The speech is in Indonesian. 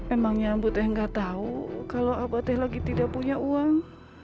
emangnya amu tuh yang gak tau kalau abah tuh lagi tidak punya uang